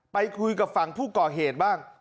ไปคุยกับฝั่งผู้ก่อเหตุบ้าง